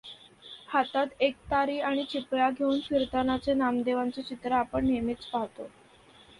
हातात एकतारी आणि चिपळ्या घेऊन फिरतानाचे नामदेवांचे चित्र आपण नेहमीच पाहतो.